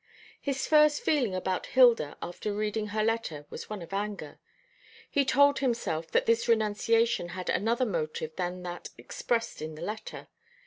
His first feeling about Hilda after reading her letter was one of anger. He told himself that this renunciation had another motive than that expressed in the letter.